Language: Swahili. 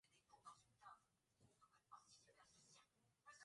benki kuu ina makamu mwenyekiti wa bodi ya wakurugenzi